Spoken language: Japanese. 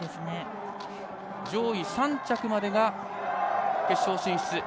上位３着までが決勝進出。